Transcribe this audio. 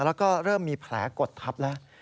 แล้วก็เริ่มมีแผลกดทับแล้ว